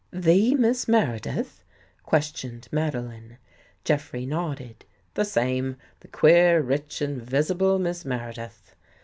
The Miss Meredith? " questioned Madeline. Jeffrey nodded. " The same. The queer, rich, invisible Miss Meredith."